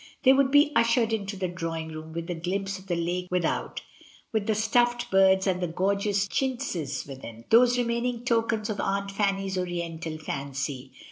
They would be ushered into the drawing room, with the glimpse of the lake without, with the stuffed birds and gorgeous chintzes within — those remaining tokens of Aunt Fanny's Oriental fancy.